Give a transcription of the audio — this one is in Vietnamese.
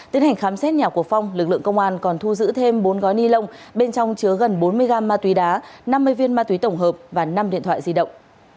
tiến hành khám xét nhà của phong lực lượng công an còn thu giữ thêm bốn gói ni lông bên trong chứa gần bốn mươi gram ma túy đá năm mươi viên ma túy tổng hợp và năm điện thoại di động